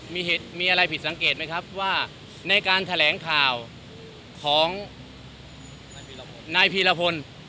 มีเหตุมีอะไรผิดสังเกตไหมครับว่าในการแถลงข่าวของนายพีรพล